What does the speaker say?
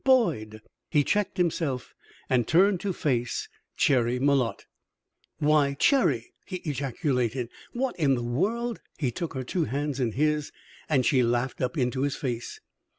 "Boyd!" He checked himself, and turned to face Cherry Malotte. "Why, Cherry," he ejaculated, "what in the world " He took her two hands in his, and she laughed up into his face.